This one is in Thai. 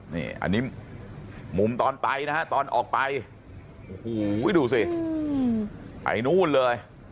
นี่อันนี้มุมตอนไปนะฮะตอนออกไปโอ้โหดูสิไปนู่นเลย